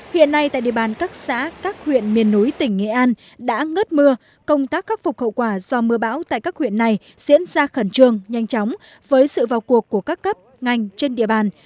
hiện nay tại địa bàn các xã các huyện miền núi tỉnh nghệ an đã ngớt mưa công tác khắc phục hậu quả do mưa bão tại các huyện này diễn ra khẩn trương nhanh chóng với sự vào cuộc của các cấp ngành trên địa bàn